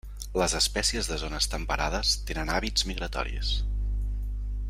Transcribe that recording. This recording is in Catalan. Les espècies de zones temperades tenen hàbits migratoris.